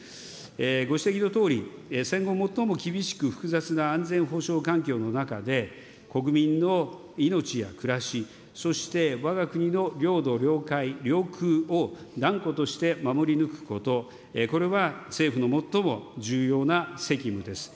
ご指摘のとおり、戦後最も厳しく複雑な安全保障環境の中で、国民の命や暮らし、そしてわが国の領土、領海、領空を断固として守り抜くこと、これは政府の最も重要な責務です。